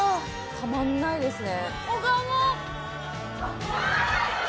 たまんないですね。